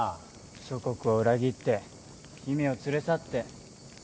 祖国を裏切って姫を連れ去って。